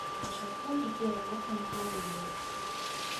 Рашодхон эки айга камакка алынды.